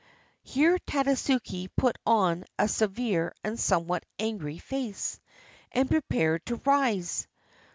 Here Tadasuke put on a severe and somewhat angry face, and prepared to rise.